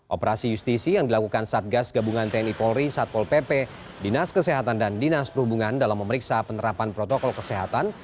operasi justisi yang dilakukan satgas gabungan tni polri satpol pp dinas kesehatan dan dinas perhubungan dalam memeriksa penerapan protokol kesehatan